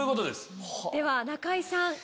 では中居さん